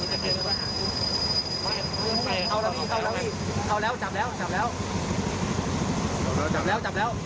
กูแล้วกูแล้ว